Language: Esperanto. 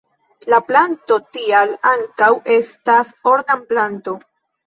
La planto tial ankaŭ estas ornamplanto.